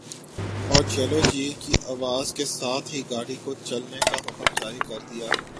اور چلو جی کی آواز کے ساتھ ہی گاڑی کو چلنے کا حکم جاری کر دیا